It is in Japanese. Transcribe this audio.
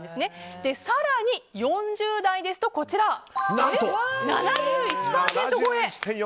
更に４０代ですと７１％超え！